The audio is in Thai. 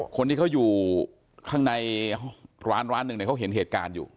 คนที่เขาอยู่ข้างในร้านร้านหนึ่งเนี่ยเขาเห็นเหตุการณ์อยู่